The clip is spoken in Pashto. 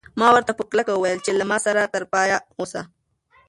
ما ورته په کلکه وویل چې له ما سره تر پایه اوسه.